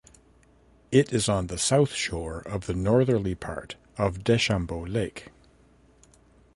It is on the south shore of the northerly part of Deschambault Lake.